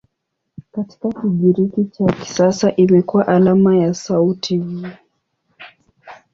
Katika Kigiriki cha kisasa imekuwa alama ya sauti "V".